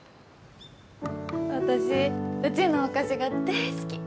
私うちのお菓子が大好き。